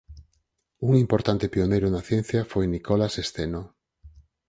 Un importante pioneiro na ciencia foi Nicolas Steno.